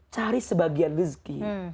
cari sebagian rizkih